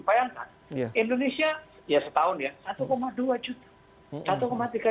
bayangkan indonesia ya setahun ya satu dua juta